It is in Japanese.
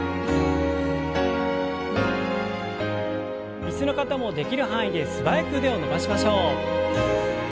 椅子の方もできる範囲で素早く腕を伸ばしましょう。